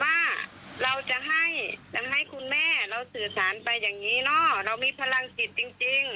ว่าเราจะให้คุณแม่เราสื่อสารไปอย่างนี้เนอะเรามีพลังจิตจริง